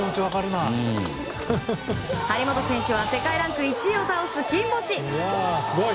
張本選手は世界ランク１位を倒す金星。